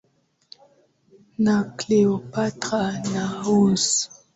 na cleopatra naa huz